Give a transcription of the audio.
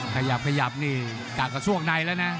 ขยับนี่กากระสวกในแล้วนะ